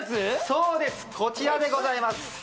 そうですこちらでございます